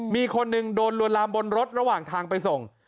มีคนหนึ่งโดนลวนลามบนรถระหว่างทางไปส่ง